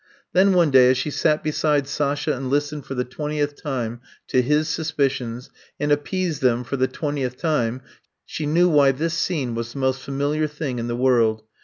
Then one day as she sat beside Sasha and listened for the twentieth time to his sus picions and appeased them for the twen tieth time she knew why this scene was the most familiar thing in the world.